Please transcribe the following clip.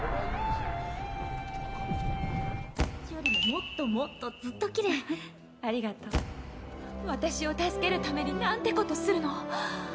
「もっともっとずっと奇麗」「フフありがとう」「私を助けるために何てことするの」